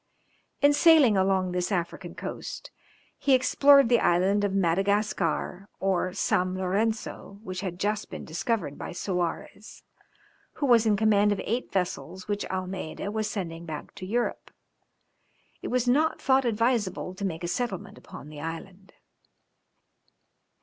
In sailing along this African coast he explored the island of Madagascar or Sam Lorenzo, which had just been discovered by Soarez, who was in command of eight vessels which Almeida was sending back to Europe; it was not thought advisable to make a settlement upon the island.